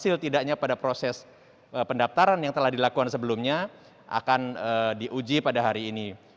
dinas pendidikan ya ini adalah proses pendidikan yang telah dilakukan sebelumnya akan diuji pada hari ini